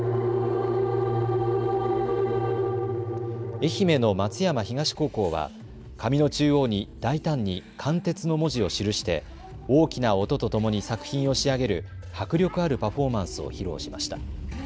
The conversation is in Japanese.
愛媛の松山東高校は紙の中央に大胆に貫徹の文字を記して大きな音とともに作品を仕上げる迫力あるパフォーマンスを披露しました。